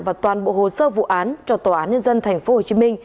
và toàn bộ hồ sơ vụ án cho tòa án nhân dân tp hcm